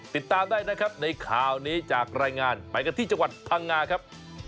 ติดตามได้นะครับในข่าวนี้จากรายงานไปกันที่จังหวัดพังงาครับ